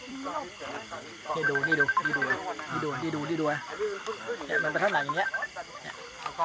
นี่ดูนี่ดูนี่ดูนี่ดูนี่ดูนี่ดูนะ